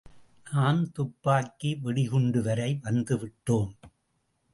நாம் துப்பாக்கி வெடிகுண்டு வரை வந்துவிட்டோம்.